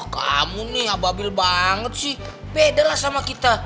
kamu nih ababil banget sih beda lah sama kita